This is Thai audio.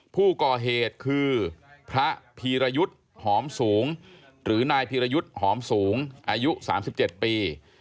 ผู้ก่อเหตุคือพระพีรยุทธ์หอมสูงหรือนายพีรยุทธ์หอมสูงอายุ๓๗ปี